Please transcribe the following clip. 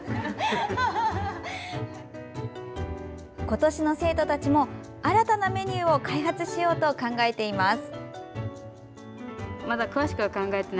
今年の生徒たちも新たなメニューを開発しようと考えています。